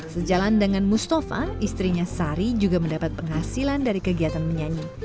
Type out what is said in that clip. sejalan dengan mustafa istrinya sari juga mendapat penghasilan dari kegiatan menyanyi